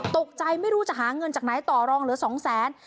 ตกใจไม่รู้จะหาเงินจากไหนต่อรองเหลือสองแสน